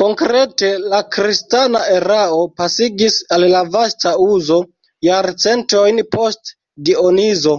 Konkrete la kristana erao pasigis al la vasta uzo jarcentojn post Dionizo.